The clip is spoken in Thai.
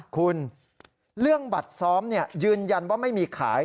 คุณเรื่องบัตรซ้อมยืนยันว่าไม่มีขาย